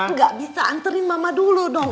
nggak bisa anterin mama dulu dong